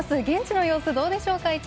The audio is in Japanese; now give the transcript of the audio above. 現地の様子、どうでしょうか。